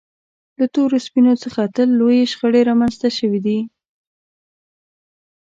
له تورو سپینو څخه تل لویې شخړې رامنځته شوې دي.